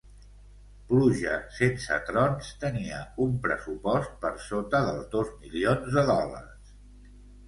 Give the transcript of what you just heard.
"Pluja sense trons" tenia un pressupost per sota dels dos milions de dòlars.